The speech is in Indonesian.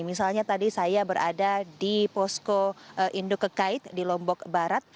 misalnya tadi saya berada di posko induk kekait di lombok barat